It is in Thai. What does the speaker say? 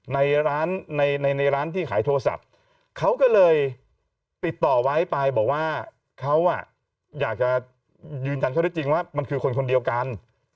ในร้านในในร้านที่ขายโทรศัพท์เขาก็เลยติดต่อไว้ไปบอกว่าเขาอยากจะยืนยันเขาได้จริงว่ามันคือคนคนเดียวกัน